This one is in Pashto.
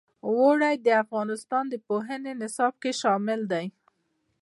اوړي د افغانستان د پوهنې نصاب کې شامل دي.